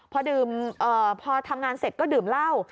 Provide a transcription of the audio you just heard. พอทำงานเสร็จก็ดื่มเหล้า